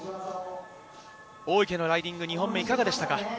大池のライディング２本目、いかがでしたか？